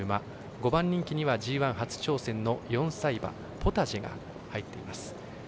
５番人気にはＧＩ初挑戦の４歳馬、ポタジェが入っています。